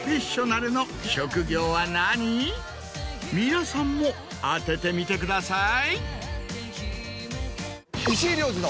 皆さんも当ててみてください。